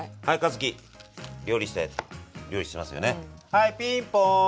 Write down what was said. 「はいピンポーン！